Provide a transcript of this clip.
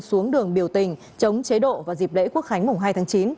xuống đường biểu tình chống chế độ vào dịp lễ quốc khánh mùng hai tháng chín